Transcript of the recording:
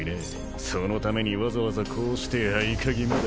そのためにわざわざこうして合鍵まで。